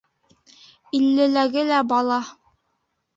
Иллеләге лә бала.